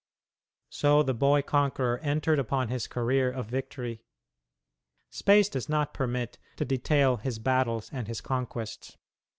So the boy conqueror entered upon his career of victory. Space does not permit to detail his battles and his conquests.